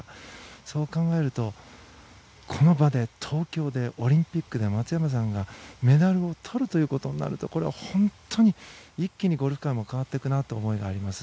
そう考えるとこの場で東京でオリンピックで松山さんがメダルを取るとなると本当に一気にゴルフ界も変わっていくなという感じがあります。